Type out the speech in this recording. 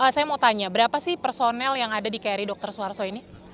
saya mau tanya berapa sih personel yang ada di kri dr suharto ini